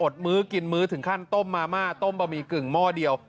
มื้อกินมื้อถึงขั้นต้มมาม่าต้มบะหมี่กึ่งหม้อเดียว